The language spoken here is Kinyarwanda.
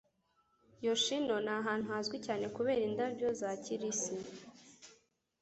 Yoshino ni ahantu hazwi cyane kubera indabyo za kirisi.